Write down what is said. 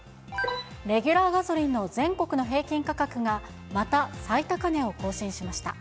レギュラーガソリンの全国の平均価格が、また最高値を更新しました。